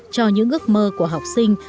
cho những ước mơ của học sinh